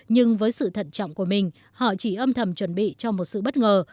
nhưng với sự thận trọng của mình họ chỉ âm thầm chuẩn bị cho một sự bất ngờ